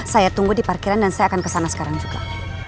saya tunggu di parkiran dan saya akan kesana sekarang juga